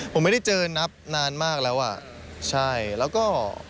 ผมไม่ได้เจอนับนานมากแล้วอ่ะใช่แล้วก็